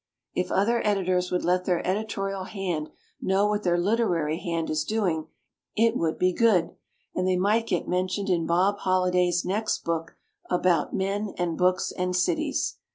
If other editors would let their editorial hand know what their literary hand is doing, it would be good! — and they might get mentioned in Bob Holliday's next book about "Men and Books and Cities".